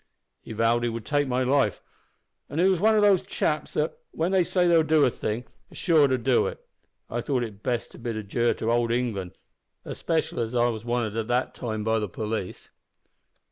He vowed he would take my life, and as he was one o' those chaps that, when they say they'll do a thing, are sure to do it, I thought it best to bid adieu to old England, especially as I was wanted at the time by the police."